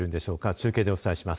中継でお伝えします。